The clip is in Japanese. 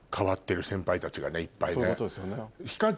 いっぱいね。